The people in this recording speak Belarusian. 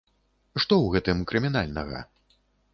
Што ў гэтым крымінальнага?